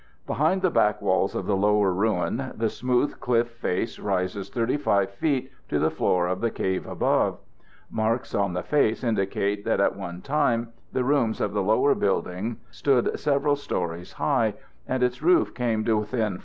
Behind the back walls of the lower ruin the smooth cliff face rises 35 feet to the floor of the cave above. Marks on the face indicate that at one time the rooms of the lower building stood several stories high, and its roof came to within 4 feet of the cave floor above.